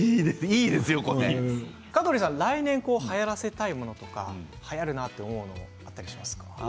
香取さん、来年はやらせたいものやはやるなと思うものはありますか？